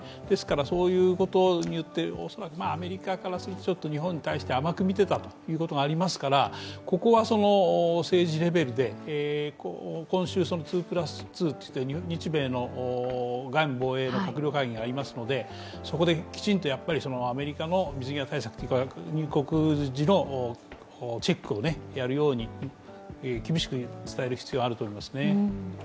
ですから、そういうことによって恐らく、アメリカからすると日本を甘く見ていたということがありますからここは政治レベルで今週、２＋２という日米の外務防衛の閣僚級会合がありますので、そこできちんとアメリカの水際対策というか入国時のチェックをやるように厳しく伝える必要があると思います。